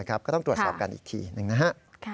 ก็ต้องตรวจสอบกันอีกทีหนึ่งนะฮะ